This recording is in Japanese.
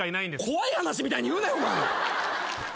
怖い話みたいに言うなよお前。